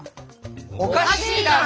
おかしいだろ！